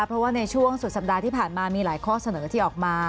เพราะว่าในช่วงสุดสัปดาห์ที่ผ่านมามีหลายข้อเสนอที่ออกมา